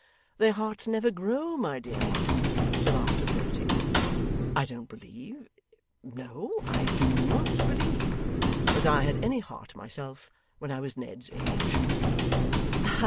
Their hearts never grow, my dear ma'am, till after thirty. I don't believe, no, I do NOT believe, that I had any heart myself when I was Ned's age.